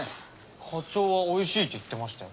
課長はおいしいって言ってましたよ？